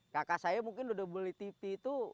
kakak saya mungkin udah beli tv itu